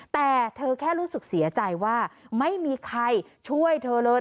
แต่เธอแค่รู้สึกเสียใจว่าไม่มีใครช่วยเธอเลย